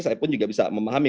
saya pun juga bisa memahami